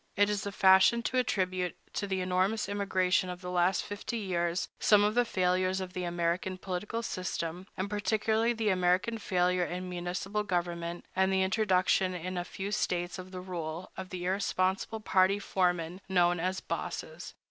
It is the fashion to attribute to the enormous immigration of the last fifty years some of the failures of the American political system, and particularly the American failure in municipal government, and the introduction in a few States of the rule of the irresponsible party foremen known as "bosses."